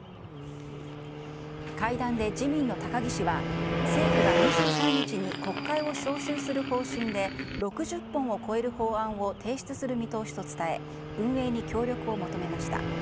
会談で自民の高木氏は政府が２３日に国会を召集する方針で６０本を超える法案を提出する見通しと伝え運営に協力を求めました。